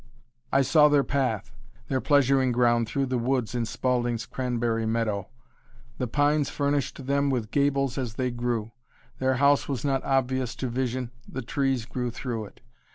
I saw their path, their pleasuring ground through the woods in Spaulding's cranberry meadow. The pines furnished them with gables as they grew. Their house was not obvious to vision, the trees grew through it.